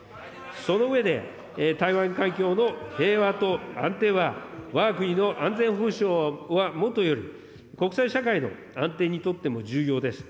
その上で、台湾海峡の平和と安定は、わが国の安全保障はもとより、国際社会の安定にとっても重要です。